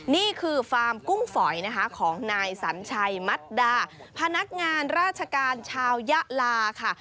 นี่คือฟาร์มกุ้งฝอยนะคะของนายสัญชัยมัดดาพนักงานราชการชาวยะลาค่ะ